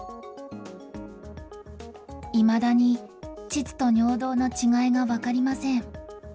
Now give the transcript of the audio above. いまだに膣と尿道の違いが分かりません。